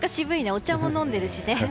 お茶も飲んでるしね。